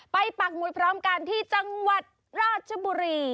ปักหมุดพร้อมกันที่จังหวัดราชบุรี